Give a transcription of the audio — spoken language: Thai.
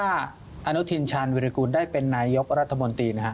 อันทุนชาญวิริกูลได้เป็นนายยกรัฐมนตรี